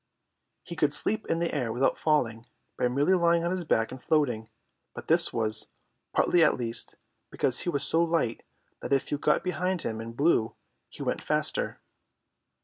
He could sleep in the air without falling, by merely lying on his back and floating, but this was, partly at least, because he was so light that if you got behind him and blew he went faster.